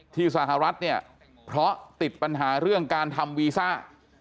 สหรัฐเนี่ยเพราะติดปัญหาเรื่องการทำวีซ่า